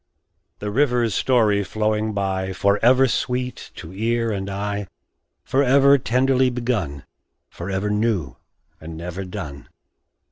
The river's story flowing by, Forever sweet to ear and eye, Forever tenderly begun Forever new and never done.